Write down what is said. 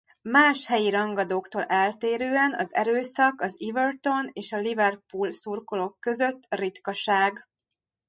Más helyi rangadóktól eltérően az erőszak az Everton és Liverpool szurkolók között ritkaság.